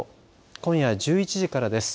今夜１１時からです。